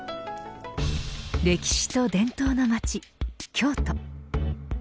歴史と伝統の街、京都。